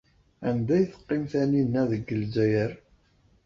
Anda ay teqqim Taninna deg Lezzayer?